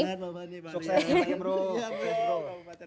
thank you mbak mbak nia